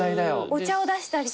お茶を出したりとか。